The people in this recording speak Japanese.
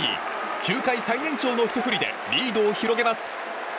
球界最年長のひと振りでリードを広げます。